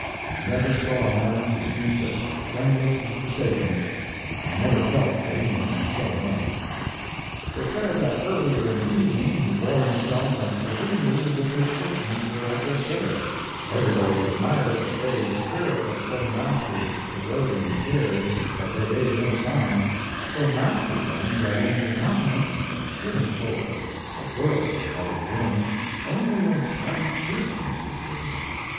I never saw a man who seemed as friendless and forsaken, and I never felt for any man so much. They said that earlier in the evening he bore himself as serenely as if his fortunes were at their fairest; everybody admired the brave spirit that so mastered its corroding cares that they gave no sign—so mastered them that in the countenance that should have told of a world of trouble within, only a sunny cheerfulness was visible.